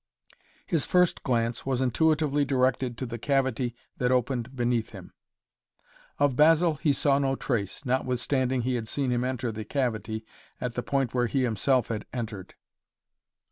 His first glance was intuitively directed to the cavity that opened beneath him. Of Basil he saw no trace, notwithstanding he had seen him enter the cavity at the point where he himself had entered.